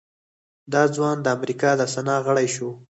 دغه ځوان د امريکا د سنا غړی شو.